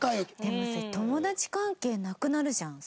でも友達関係なくなるじゃんさすがに。